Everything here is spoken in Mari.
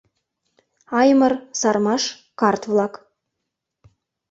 Аймыр, Сармаш — карт-влак.